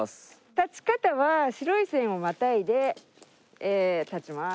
立ち方は白い線をまたいで立ちます。